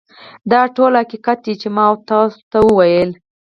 دا ټول حقیقت دی چې ما تاسو ته وویل